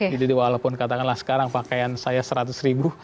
jadi walaupun katakanlah sekarang pakaian saya seratus ribu